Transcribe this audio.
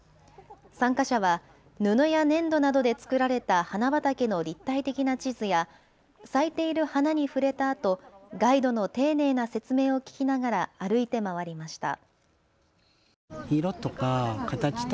参加者は、布や粘土などで作られた花畑の立体的な地図や、咲いている花に触れたあと、ガイドの丁寧な説明を聞きながら、歩いて回りました。